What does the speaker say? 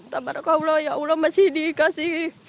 tabarakallah ya allah masih dikasih